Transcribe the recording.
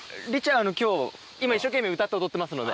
あの今日今一生懸命歌って踊ってますので。